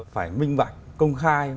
phải minh vạch công khai